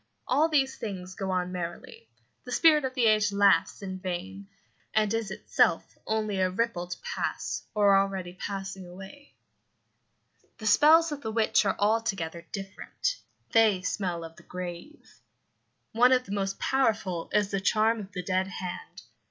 All these things go on merrily. The spirit of the age laughs in vain, and is itself only a ripple to pass, or already passing, away. The spells of the witch are altogether different; they smell of the grave. One of the most powerful is the charm of the dead hand.